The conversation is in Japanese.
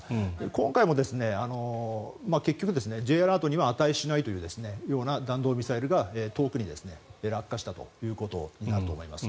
今回も結局、Ｊアラートには値しないというような弾道ミサイルが遠くに落下したということになると思います。